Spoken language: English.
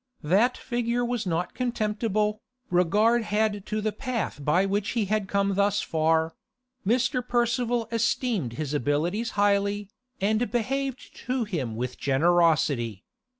That figure was not contemptible, regard had to the path by which he had come thus far; Mr. Percival esteemed his abilities highly, and behaved to him with generosity.